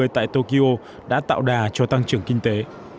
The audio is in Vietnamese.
tại tokyo đã tạo đà cho tăng trưởng kinh tế